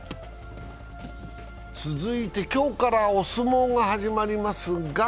続いて今日からお相撲が始まりますが。